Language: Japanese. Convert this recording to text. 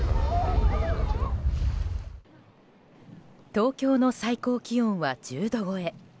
東京の最高気温は１０度超え。